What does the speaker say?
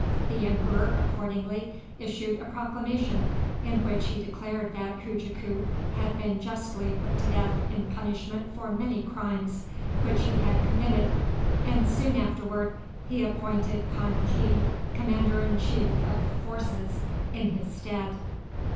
The emperor accordingly issued a proclamation, in which he declared that Hujaku had been justly put to death in punishment for many crimes which he had committed, and soon afterward he appointed Kan ki commander in chief of the forces in his stead.